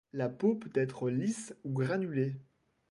La peau peut être lisse ou granulée.